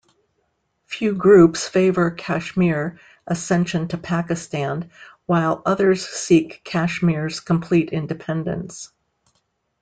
Few groups favour Kashmir accession to Pakistan, while others seek Kashmir's complete independence.